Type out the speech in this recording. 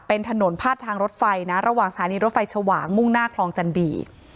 เป็นถนนพาดทางรถไฟนะระหว่างสถานีรถไฟชวางมุ่งหน้าคลองจันดี